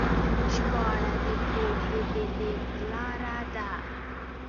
ژباړه د پوهې د لیږد لاره ده.